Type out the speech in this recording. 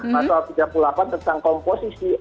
pasal tiga puluh delapan tentang komposisi